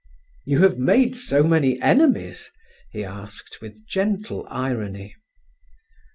"You have made so many enemies?" he asked, with gentle irony.